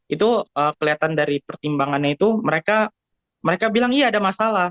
itu kelihatan dari pertimbangannya itu mereka bilang iya ada masalah